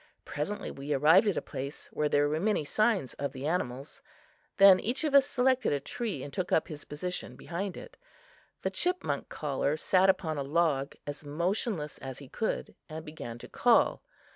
Presently we arrived at a place where there were many signs of the animals. Then each of us selected a tree and took up his position behind it. The chipmunk caller sat upon a log as motionless as he could, and began to call.